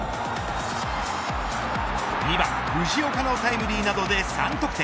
２番、藤岡のタイムリーなどで３得点。